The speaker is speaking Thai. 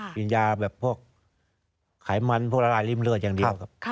กินยาแบบพวกไขมันพวกละลายริ่มเลือดอย่างเดียวครับ